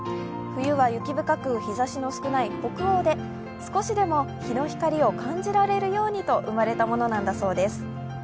冬は雪深く日ざしの少ない北欧で少しでも日の光を感じられるようにと生まれたものだそうです。